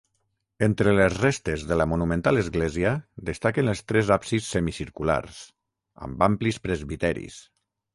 Entre les restes de la monumental església destaquen els tres absis semicirculars, amb amplis presbiteris.